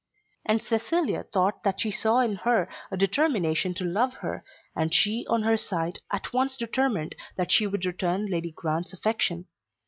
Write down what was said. And Cecilia thought that she saw in her a determination to love her, and she on her side at once determined that she would return Lady Grant's affection.